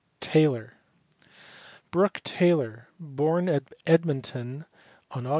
Taylor*. Brook Taylor, born at Edmonton on Aug.